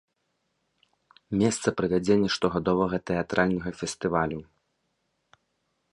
Месца правядзення штогадовага тэатральнага фестывалю.